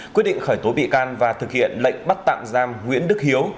quyết định khởi tố bị can và thực hiện lệnh bắt tạm giam nguyễn đức hiếu